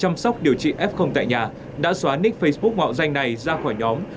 chăm sóc điều trị f tại nhà đã xóa nick facebook mạo danh này ra khỏi nhóm